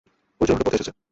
অর্জুন উল্টো পথে আসছে।